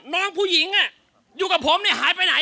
น้องผู้หญิงอยู่กับผมเนี่ยหายไปไหน